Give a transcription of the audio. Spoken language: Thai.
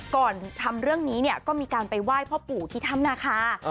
ก่อนทำเรื่องนี้เนี่ยก็มีการไปไหว้พ่อปู่ที่ถ้ำนาคา